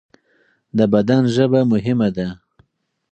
د بدن ژبه مهمه ده.